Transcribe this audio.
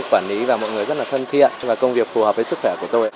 quản lý và mọi người rất là thân thiện và công việc phù hợp với sức khỏe của tôi